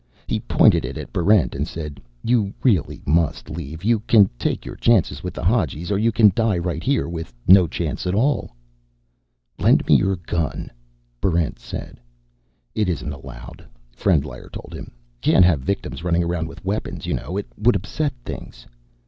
He pointed it at Barrent, and said, "You really must leave. You can take your chances with the Hadjis, or you can die right here with no chance at all." "Lend me your gun," Barrent said. "It isn't allowed," Frendlyer told him. "Can't have victims running around with weapons, you know. It would upset things."